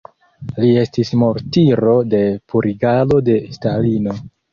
Li estis martiro de purigado de Stalino.